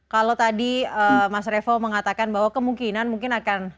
kalau tadi mas revo mengatakan bahwa kemungkinan mungkin akan